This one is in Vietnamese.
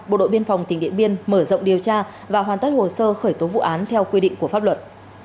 bộ đội biên phòng tỉnh điện biên mở rộng điều tra và hoàn tất hồ sơ khởi tố vụ án theo quy định của pháp luật